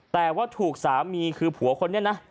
แต่ว่าถูกสามีคือผัวคนนี้นะ